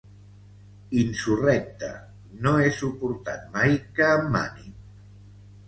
Insurrecte, no he suportat mai que em manin.